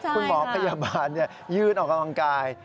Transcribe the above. คุณหมอพยาบาลยืนออกกำลังกาย